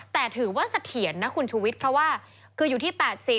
แต่ถือว่าเสถียรนะคุณชุวิตเพราะว่าคืออยู่ที่๘๐